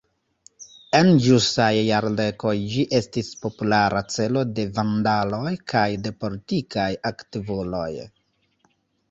En ĵusaj jardekoj ĝi estis populara celo de vandaloj kaj de politikaj aktivuloj.